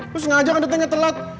lo sengaja kan datangnya telat